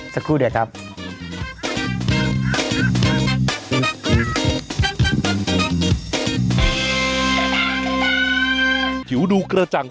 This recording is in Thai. สักครู่เดียวครับ